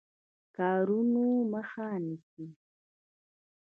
کارونو مخه نیسي.